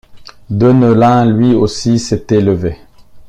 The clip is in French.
Deneulin, lui aussi, s’était levé.